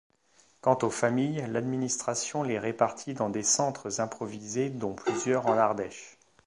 Quant aux familles, l'administration les répartit dans des centres improvisés dont plusieurs en Ardèche.